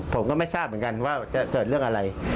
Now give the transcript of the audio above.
ผมก็ไม่ทราบเหมือนกันว่าจะเกิดเรื่องอะไร